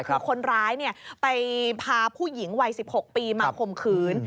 คือคนร้ายไปพาผู้หญิงวัย๑๖ปีมาข่มขืน